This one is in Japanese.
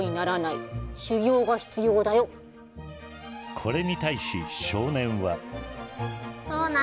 これに対し少年は。